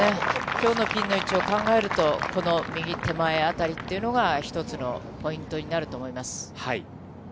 きょうのピンの位置を考えると、この右手前辺りっていうのが、一つのポイントになると思います。